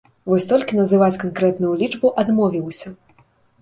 Вось толькі называць канкрэтную лічбу адмовіўся.